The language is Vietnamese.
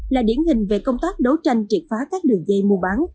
là điển hình về công tác đấu tranh triệt phá các đường dây mua bán